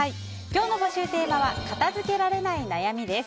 今日の募集テーマは片付けられない悩みです。